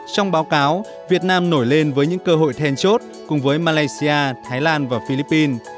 trong báo cáo việt nam nổi lên với những cơ hội then chốt cùng với malaysia thái lan và philippines